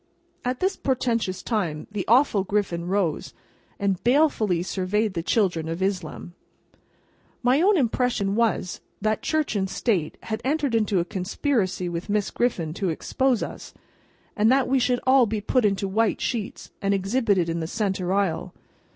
At this portentous time the awful Griffin rose, and balefully surveyed the children of Islam. My own impression was, that Church and State had entered into a conspiracy with Miss Griffin to expose us, and that we should all be put into white sheets, and exhibited in the centre aisle.